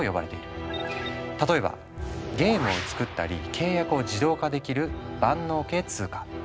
例えばゲームを作ったり契約を自動化できる万能系通貨。